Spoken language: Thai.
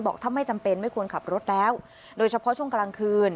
ถ้าไม่จำเป็นไม่ควรขับรถแล้วโดยเฉพาะช่วงกลางคืน